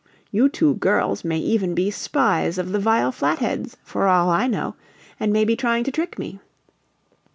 You two girls may even be spies of the vile Flatheads, for all I know, and may be trying to trick me.